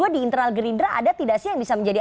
di internal gerindra ada tidak sih yang bisa menjadi